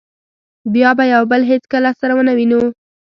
بیا به یو بل هېڅکله سره و نه وینو.